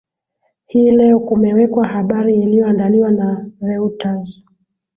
hii leo kumewekwa habari iliyoandaliwa na reuters